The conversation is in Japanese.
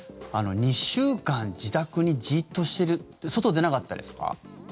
２週間自宅にじっとしている外、出なかったですか？